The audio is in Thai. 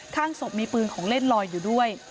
ข้างศพมีปืนของเล่นลอยอยู่ด้วย